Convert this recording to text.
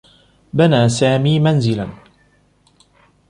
بنى سامي منزلا.